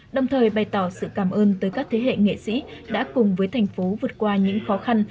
đồng thời bày tỏ sự cảm ơn tới các thế hệ nghệ sĩ đã cùng với thành phố vượt qua những khó khăn